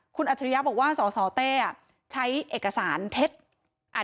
คุณอัจฉริยะบอกว่าสสเต้ใช้เอกสารเท็จ